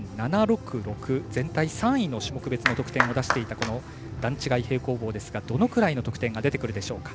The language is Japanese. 全体３位の種目別の得点を出していたこの段違い平行棒ですがどのぐらいの得点が出るでしょうか。